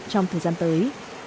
trong thời gian tới